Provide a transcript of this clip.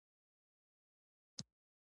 او که تر دې هم ډېر ورسره په اړيکه کې پاتې شي.